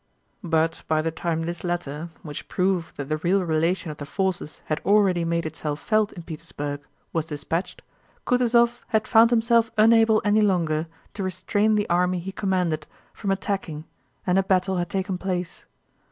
But by the time this letter, which proved that the real relation of the forces had already made itself felt in Petersburg, was dispatched, Kutúzov had found himself unable any longer to restrain the army he commanded from attacking and a battle had taken place.